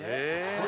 これ。